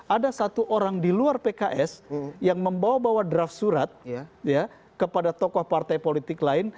ada satu orang di luar pks yang membawa bawa draft surat kepada tokoh partai politik lain